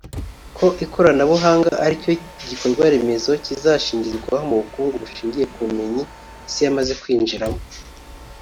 ko ikoranabuhanga aricyo gikorwa remezo kizashingirwaho mu bukungu bushingiye ku bumenyi Isi yamaze kwinjiramo